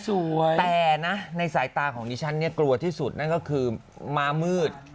แต่นะในสายตาของดิฉันเนี่ยกลัวที่สุดนั่นก็คือม้ามืด